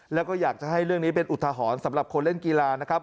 แล้วก็อยากจะให้เรื่องนี้เป็นอุทหรณ์สำหรับคนเล่นกีฬานะครับ